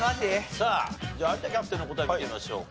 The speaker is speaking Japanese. さあじゃあ有田キャプテンの答え見てみましょうか。